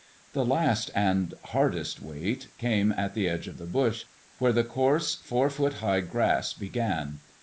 The last and hardest wait came at the edge of the bush, where the coarse, four foot high grass began.